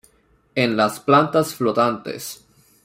En las plantas flotantes...